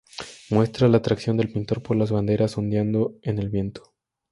Muestra la atracción del pintor por las banderas ondeando en el viento.